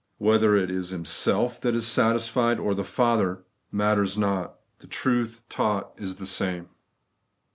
Whether it is Him self that is satisfied, or the Father, matters not. The truth taught is the same.